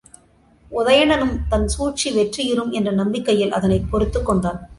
உதயணனும் தன் சூழ்ச்சி வெற்றியுறும் என்ற நம்பிக்கையில் அதனைப் பொறுத்துக் கொண்டான்.